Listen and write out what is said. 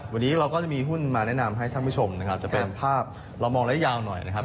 วันนี้เราก็จะมีหุ้นมาแนะนำให้ท่านผู้ชมนะครับจะเป็นภาพเรามองระยะยาวหน่อยนะครับ